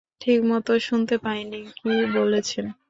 ঠিক মত শুনতে পাই নি কী বলেছেন?